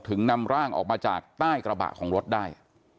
นำร่างออกมาจากใต้กระบะของรถได้